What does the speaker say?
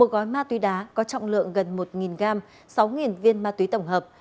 một gói ma túy đá có trọng lượng gần một gram sáu viên ma túy tổng hợp